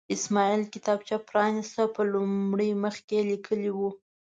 اسماعیل کتابچه پرانسته، په لومړي مخ یې لیکلي وو.